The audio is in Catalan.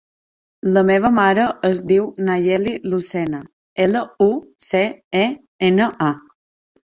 La meva mare es diu Nayeli Lucena: ela, u, ce, e, ena, a.